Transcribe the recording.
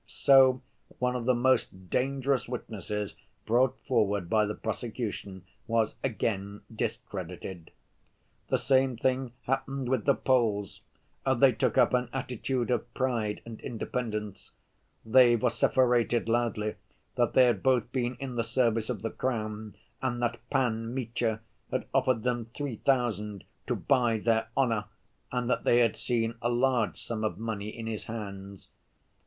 So one of the most dangerous witnesses brought forward by the prosecution was again discredited. The same thing happened with the Poles. They took up an attitude of pride and independence; they vociferated loudly that they had both been in the service of the Crown, and that "Pan Mitya" had offered them three thousand "to buy their honor," and that they had seen a large sum of money in his hands.